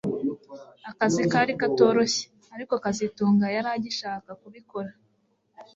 Akazi kari katoroshye ariko kazitunga yari agishaka kubikora